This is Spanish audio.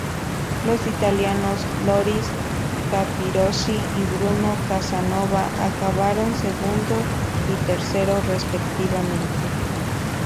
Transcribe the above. Los italianos Loris Capirossi y Bruno Casanova acabaron segundo y tercero respectivamente.